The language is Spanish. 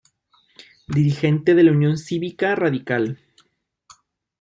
Dirigente de la Unión Cívica Radical.